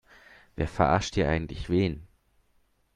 Wer verarscht hier eigentlich wen?